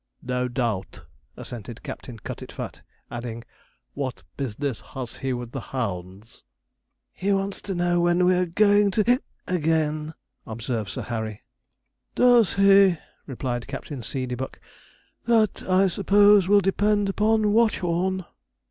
'No doubt,' assented Captain Cutitfat, adding, 'what business has he with the hounds?' 'He wants to know when we are going to again,' observed Sir Harry. 'Does he?' replied Captain Seedeybuck. 'That, I suppose, will depend upon Watchorn.'